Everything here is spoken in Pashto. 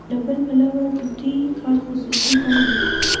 له بل پلوه د دوی کار خصوصي بڼه لري